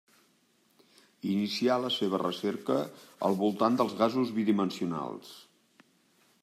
Inicià la seva recerca al voltant dels gasos bidimensionals.